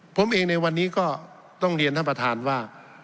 ผมเองในวันนี้ก็ต้องเรียนท่านประธานว่า